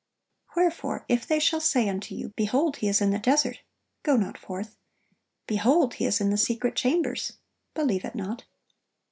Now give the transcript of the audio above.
Wherefore if they shall say unto you, Behold, He is in the desert; go not forth: behold, He is in the secret chambers; believe it not.